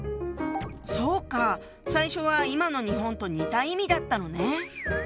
そうか最初は今の日本と似た意味だったのね。